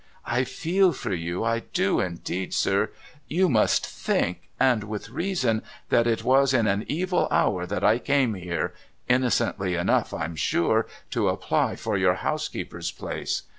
I feel for you— I do indeed, sir ! You must think — and with reason — that it was in an evil hour that I came here (innocently enough, I'm sure), to apply for your housekeeper's place.